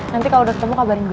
nanti kalo udah ketemu kabarin gue